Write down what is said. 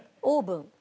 オーブン。